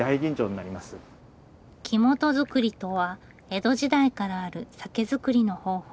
生造りとは江戸時代からある酒造りの方法。